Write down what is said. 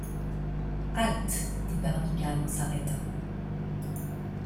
Halte! dit Barbicane en s’arrêtant.